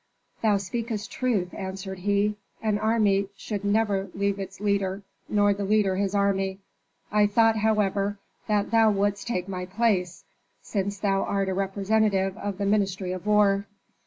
"Thou speakest truth," answered he. "An army should never leave its leader, nor the leader his army. I thought, however, that thou wouldst take my place, since thou art a representative of the ministry of war."